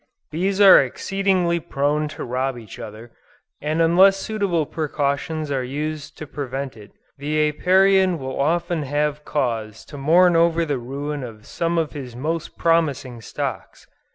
Bees are exceedingly prone to rob each other, and unless suitable precautions are used to prevent it, the Apiarian will often have cause to mourn over the ruin of some of his most promising stocks.